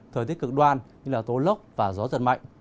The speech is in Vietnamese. thời tiết cực đoan như tố lốc và gió giật mạnh